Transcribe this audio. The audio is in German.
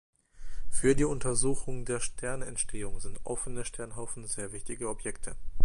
Für die Untersuchung der Sternentstehung sind offene Sternhaufen sehr wichtige Objekte.